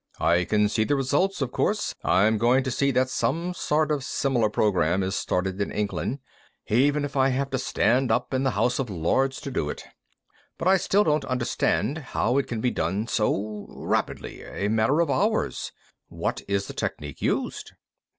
"I can see the results, of course. I'm going to see that some sort of similar program is started in England, even if I have to stand up in the House of Lords to do it. But, I still don't understand how it can be done so rapidly a matter of hours. What is the technique used?"